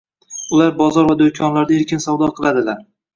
Ular bozor va do'konlarda erkin savdo qiladilar